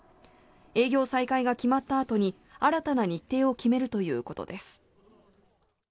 営業再開が決まったあとに新たな日程を決めるということです。